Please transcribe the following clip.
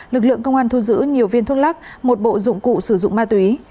lực lượng công an thu giữ nhiều viên thuốc lắc một bộ dụng cụ sử dụng ma túy